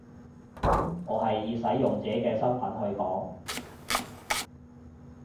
我係以使用者嘅身分去講